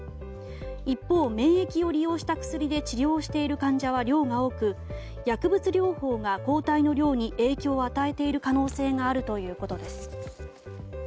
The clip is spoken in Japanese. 一方、免疫を利用した薬で治療している患者は量が多く薬物療法が抗体の量に影響を与えている可能性があるということです。